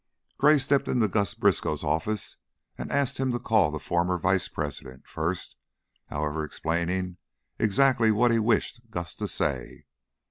Gray stepped into Gus Briskow's office and asked him to call the former vice president, first, however, explaining exactly what he wished Gus to say.